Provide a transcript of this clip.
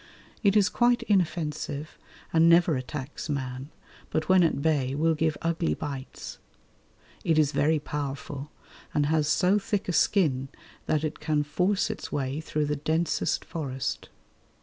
It is quite inoffensive and never attacks man, but when at bay will give ugly bites. It is very powerful, and has so thick a skin that it can force its way through the densest forest.